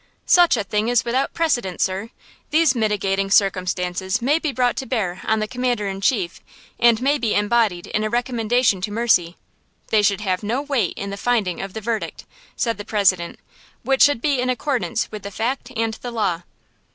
"Such a thing is without precedent, sir! These mitigating circumstances may be brought to bear on the Commander in Chief, and may be embodied in a recommendation to mercy! They should have no weight in the finding of the verdict," said the President, "which should be in accordance with the fact and the law."